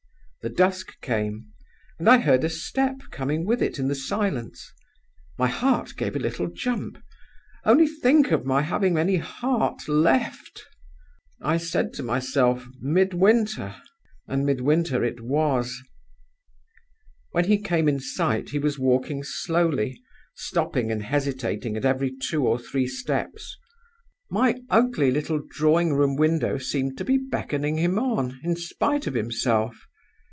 The dusk came, and I heard a step coming with it in the silence. My heart gave a little jump only think of my having any heart left! I said to myself: 'Midwinter!' And Midwinter it was. "When he came in sight he was walking slowly, stopping and hesitating at every two or three steps. My ugly little drawing room window seemed to be beckoning him on in spite of himself.